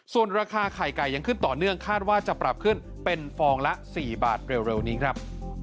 ส่วนราคาไข่ไก่ยังขึ้นต่อเนื่องคาดว่าจะปรับขึ้นเป็นฟองละ๔บาทเร็วนี้ครับ